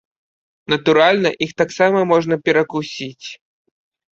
Натуральна, іх таксама можна перакусіць.